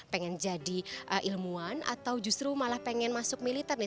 pengen jadi ilmuwan atau justru malah pengen masuk militer nih